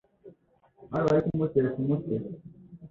Bantu bari kumutesha umutwe!